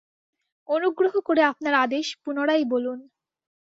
অনুগ্রহ করে আপনার আদেশ পুনরায় বলুন।